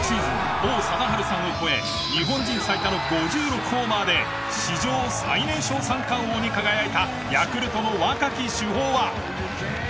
王貞治さんを超え日本人最多の５６ホーマーで史上最年少三冠王に輝いたヤクルトの若き主砲は。